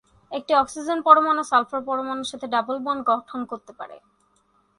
একটি অক্সিজেন পরমাণু সালফার পরমাণুর সাথে ডাবল বন্ড গঠন করতে পারে।